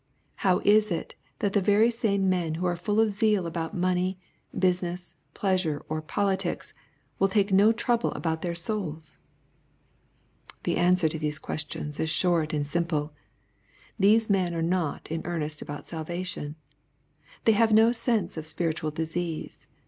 How is it that the very same men who are fall of zeal about money, business, pleasure, or politics, will take no trouble about their souls ?— The answer to these questions is short and simple. These men are not in earnest about salvation. They have no sense of spiritual disease.